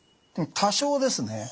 多少ですね。